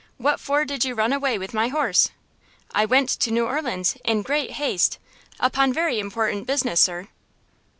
What for did you run away with my horse?" "I went to New Orleans in great haste, upon very important business, sir."